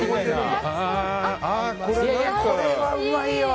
これはうまいよ。